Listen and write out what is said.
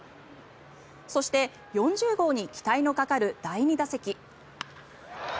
そして、４０号に期待のかかる第２打席。